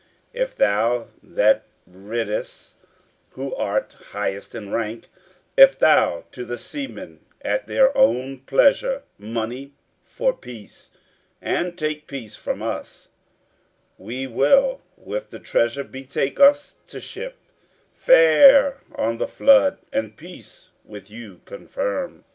If thou that redest, who art highest in rank, If thou to the seamen at their own pleasure Money for peace, and take peace from us, We will with the treasure betake us to ship, Fare on the flood, and peace with you confirm."